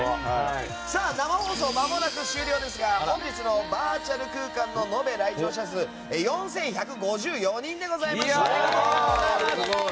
生放送、まもなく終了ですが本日のバーチャル空間の延べ来場者数４１５４人でございました！